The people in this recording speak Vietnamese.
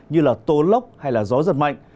như là tố lốc hay là gió giật mạnh